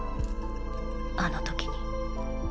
あの時に。